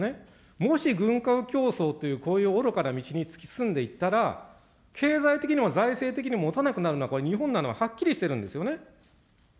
もし軍拡競争という、こういう愚かな道に突き進んでいったら、経済的にも財政的にも衰えていくのは恐らく日本だということははっきりしてるんですよね。